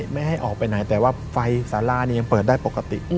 ไม่ให้ออกไปไหนแต่ว่าไฟสาราเนี่ยยังเปิดได้ปกติ